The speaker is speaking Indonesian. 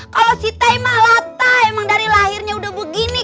kalau siti malah pak emang dari lahirnya udah begini